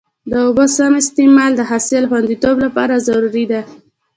د اوبو سم استعمال د حاصل خوندیتوب لپاره ضروري دی.